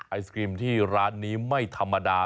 ไอศกรีมที่ร้านนี้ไม่ธรรมดา